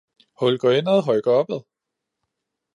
Hul går indad, høj går opad!